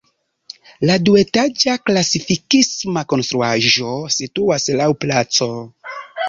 La duetaĝa klasikisma konstruaĵo situas laŭ placo.